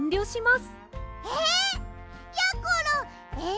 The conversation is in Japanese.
え？